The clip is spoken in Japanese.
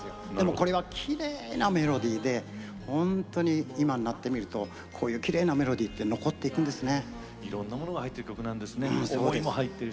これは、きれいなメロディーで本当に今になってみるとこういうきれいなメロディーって残っていくんですね。